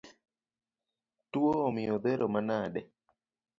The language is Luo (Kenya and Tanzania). Tuo omiyo odhero manade?